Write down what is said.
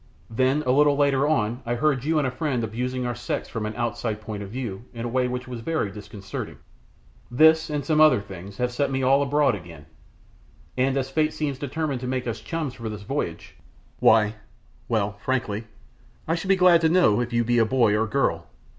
Then a little later on I heard you and a friend abusing our sex from an outside point of view in a way which was very disconcerting. This, and some other things, have set me all abroad again, and as fate seems determined to make us chums for this voyage why well, frankly, I should be glad to know if you be boy or girl?